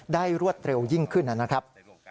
รวดเร็วยิ่งขึ้นนะครับ